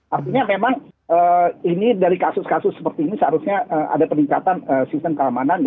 artinya memang ini dari kasus kasus seperti ini seharusnya ada peningkatan sistem keamanannya